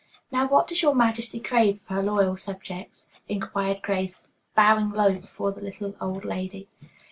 "Now, what does your Majesty crave of her loyal subjects?" inquired Grace, bowing low before the little, old lady.